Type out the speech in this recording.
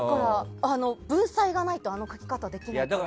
文才がないとあの書き方できないから。